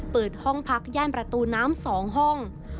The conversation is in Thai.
เปิดห้องพักย่านประตูน้ำ๒ห้อง